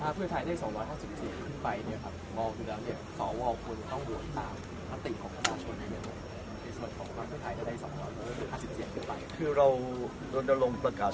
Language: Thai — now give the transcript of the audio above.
เพื่อไทยได้๒๕เสียงขึ้นไปเนี่ยครับ